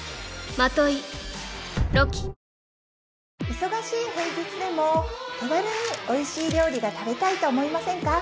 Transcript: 忙しい平日でも手軽においしい料理が食べたいと思いませんか？